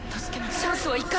チャンスは１回。